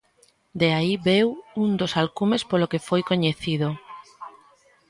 De aí veu un dos alcumes polo que foi coñecido.